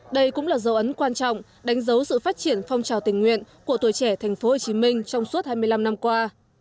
đây cũng là dấu ấn quan trọng đánh dấu sự phát triển phong trào tình nguyện của tuổi trẻ tp hcm trong suốt hai mươi năm năm qua